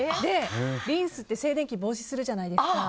リンスって静電気を防止するじゃないですか。